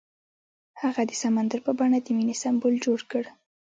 هغه د سمندر په بڼه د مینې سمبول جوړ کړ.